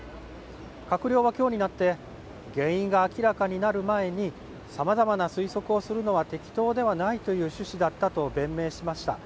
閣僚は今日になって原因が明らかになる前にさまざまな推測をするのは適当ではないという趣旨だったと弁明しました。